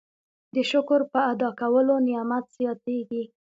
د شکر په ادا کولو نعمت زیاتیږي.